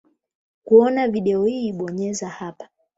Kuona video hii bonyeza hapa.